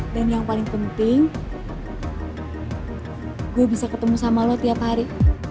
dan yang paling penting gue bisa ketemu sama lo tiap hari